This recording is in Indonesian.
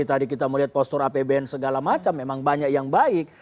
tadi kita melihat postur apbn segala macam memang banyak yang baik